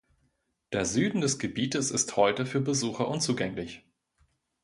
Der Süden des Gebietes ist heute für Besucher unzugänglich.